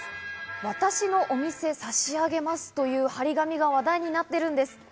私のお店、さしあげますという貼り紙が話題になっているんです。